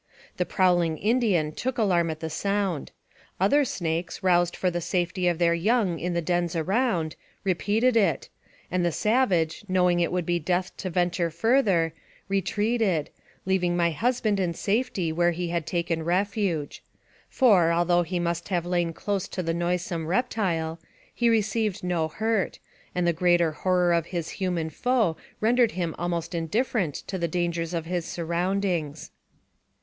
The prowling Indian took alarm at the sound; other snakes, roused for the safety of their young in the dens around, re peated it, and the savage, knowing it would be death to venture further, retreated, leaving my husband in safety where he had taken refuge; for, although he must have lain close to the noisome reptile, he re ceived no hurt, and the greater horror of his human foe rendered him almost indifferent to the dangers of his surroundings.